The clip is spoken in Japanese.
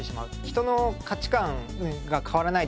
人の価値観が変わらないとですね